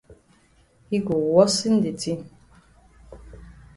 Yi go worsen de tin.